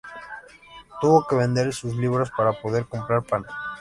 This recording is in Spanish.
Tuvo que vender sus libros para poder comprar pan.